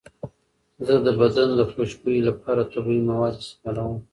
زه د بدن د خوشبویۍ لپاره طبیعي مواد استعمالوم.